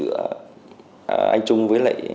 anh trung với lại